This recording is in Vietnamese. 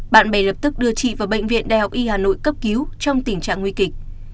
bạn bè lập tức đưa chị vào bệnh viện đại học y hà nội cấp cứu trong tình trạng nguy kịch